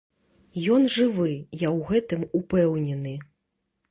Ён жывы, я ў гэтым упэўнены.